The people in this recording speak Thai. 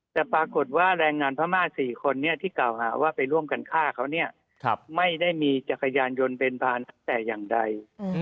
แต่ปรากฏว่าแรงงานพม่า๔คนที่กล่าวหาว่าไปร่วมกันฆ่าเขาเนี่ยไม่ได้มีจักรยานยนต์เบนพานแต่อย่างใด